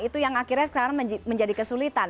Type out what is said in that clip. itu yang akhirnya sekarang menjadi kesulitan